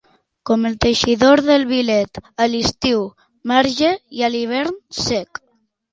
Com el teixidor del Vilet: a l'estiu, magre, i a l'hivern, sec.